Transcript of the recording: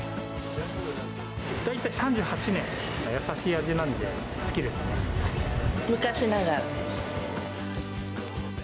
大体３８年、優しい味なので、昔ながら。